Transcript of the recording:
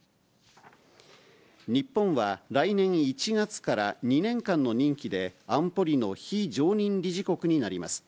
日本は来年１月から２年間の任期で、安保理の非常任理事国になります。